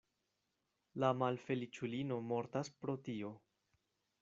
La malfeliĉulino mortas pro tio.